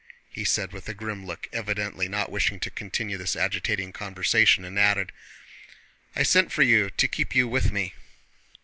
he said with a grim look, evidently not wishing to continue this agitating conversation, and added: "I sent for you to keep you with me."